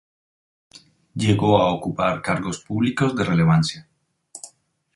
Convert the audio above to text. Llegó a ocupar cargos públicos de relevancia.